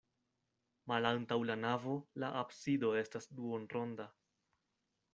Malantaŭ la navo la absido estas duonronda.